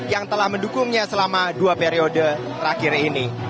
yang telah mendukungnya selama dua periode terakhir ini